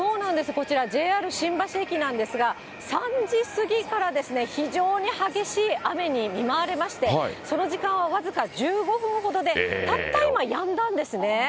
こちら、ＪＲ新橋駅なんですが、３時過ぎから非常に激しい雨に見舞われまして、その時間は僅か１５分ほどで、たった今、やんだんですね。